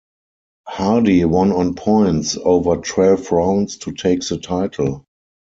Hardy won on points over twelve rounds to take the title.